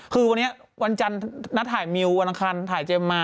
คือวันนี้วันจันทร์นัดถ่ายมิววันอังคารถ่ายเจมส์มา